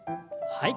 はい。